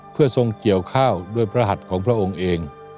เพื่อทรงเกี่ยวข้าวด้วยพระหัสของพระองค์เอง